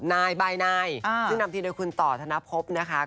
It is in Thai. นายบายนายซึ่งนำทีโดยคุณต่อธนภพนะคะ